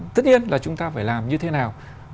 tất nhiên là chúng ta phải làm như thế nào